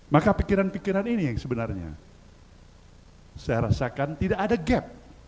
maka pikiran pikiran ini yang sebenarnya saya rasakan tidak ada gap